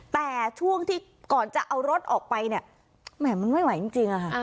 แต่ช่วงที่ก่อนจะเอารถออกไปเนี่ยแหม่มันไม่ไหวจริงอะค่ะ